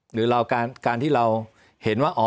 หรือเราการที่เราเห็นว่า